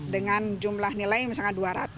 dengan jumlah nilai misalnya dua ratus